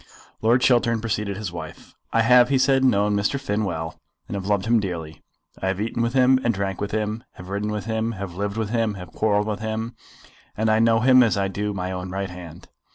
Lord Chiltern preceded his wife. "I have," he said, "known Mr. Finn well, and have loved him dearly. I have eaten with him and drank with him, have ridden with him, have lived with him, and have quarrelled with him; and I know him as I do my own right hand."